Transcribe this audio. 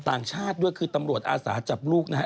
ต่างชาติด้วยคือตำรวจอาสาจับลูกนะฮะ